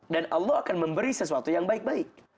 dan allah akan memberi sesuatu yang baik baik